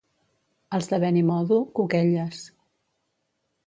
Els de Benimodo, cuquelles.